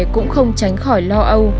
cũng không tránh khỏi lo âu